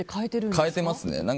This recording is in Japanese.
変えてますね。